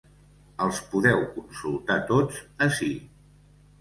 Els podeu consultar tots ací.